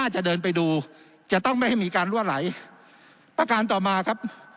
จะเดินไปดูจะต้องไม่ให้มีการรั่วไหลประการต่อมาครับ